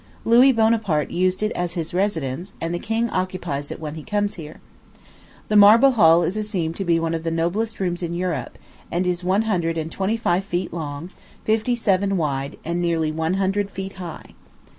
Louis Bonaparte used it as his residence; and the king occupies it when he comes here. The marble hall is esteemed one of the noblest rooms in Europe, and is one hundred and twenty feet long, fifty seven wide, and nearly one hundred feet high.